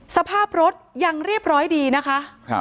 สภาพรถยังเรียบร้อยดีนะคะ